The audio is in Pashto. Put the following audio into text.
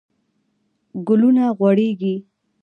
ګلونه غوړیږي